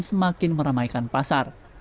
semakin meramaikan pasar